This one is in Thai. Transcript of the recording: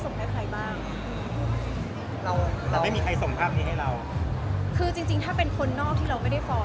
อย่างที่แบบเราเห็นเองตั้งข่าวหรือว่าเพื่อนสูงแล้วไม่เห็น